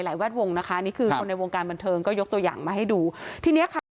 เราไม่พูดเรื่องซื้อรถผงรถถังอะไรก็แล้วแต่เรา